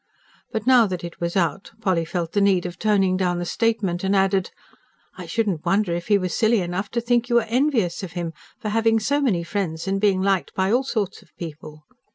But now that it was out, Polly felt the need of toning down the statement, and added: "I shouldn't wonder if he was silly enough to think you were envious of him, for having so many friends and being liked by all sorts of people."